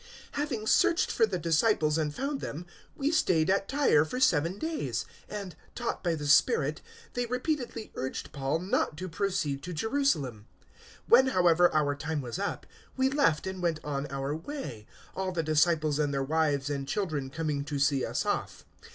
021:004 Having searched for the disciples and found them, we stayed at Tyre for seven days; and, taught by the Spirit, they repeatedly urged Paul not to proceed to Jerusalem. 021:005 When, however, our time was up, we left and went on our way, all the disciples and their wives and children coming to see us off.